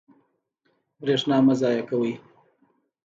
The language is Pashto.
برښنا مه ضایع کوئ